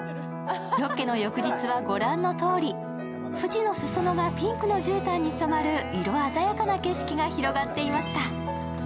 ロケの翌日は御覧のとおり、富士の裾野がピンクのじゅうたんに染まる色鮮やかな景色が広がっていました。